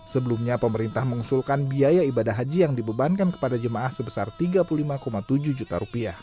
sebelumnya pemerintah mengusulkan biaya ibadah haji yang dibebankan kepada jemaah sebesar rp tiga puluh lima tujuh juta